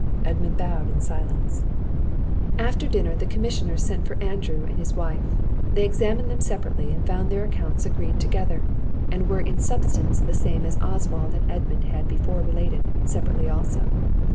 Edmund bowed in silence. After dinner the commissioners sent for Andrew and his wife. They examined them separately, and found their accounts agreed together, and were in substance the same as Oswald and Edmund had before related, separately also.